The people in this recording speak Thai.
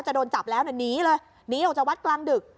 โดนจับแล้วเนี่ยหนีเลยหนีออกจากวัดกลางดึก